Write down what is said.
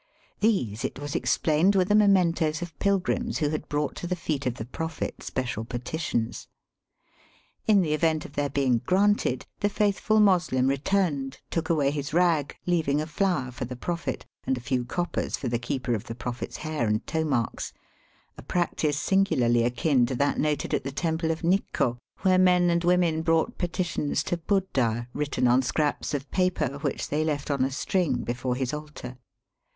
305 These, it was explained, were the mementoes of pilgrims who had brought to the feet of the Prophet special petitions. In the event of their being granted, the faithful Moslem returned, took away his rag, leaving a flower for the Prophet, and a few coppers for the keeper of the Prophet's hair and toe marks — a practice singularly akin to that noted at the temple of Nikko, where men and women brought petitions to Buddha written on scraps of paper, which they left on a string before his altar.